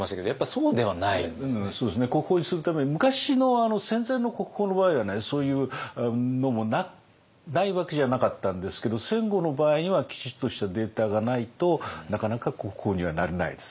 そうですね国宝にするために昔の戦前の国宝の場合はねそういうのもないわけじゃなかったんですけど戦後の場合にはきちっとしたデータがないとなかなか国宝にはなれないですね。